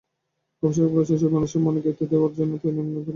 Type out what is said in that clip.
গবেষকেরা বলছেন, ছবি মানুষের মনে গেঁথে দেওয়ার জন্য প্রয়োজন নিপুণ অ্যালগরিদম।